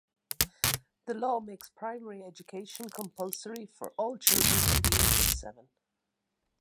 The law makes primary education compulsory for all children from the age of seven.